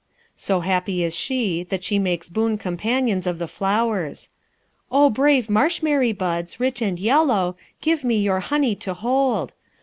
So happy is she that she makes boon companions of the flowers: "O brave marshmary buds, rich and yellow, Give me your honey to hold!